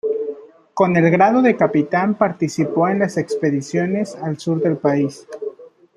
Con el grado de capitán participó en las expediciones al sur del país.